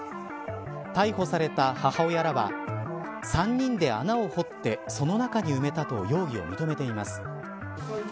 逮捕された母親らは３人で穴を掘ってその中に埋めたと容疑を認めています。